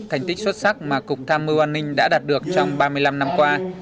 thành tích xuất sắc mà cục tham mưu an ninh đã đạt được trong ba mươi năm năm qua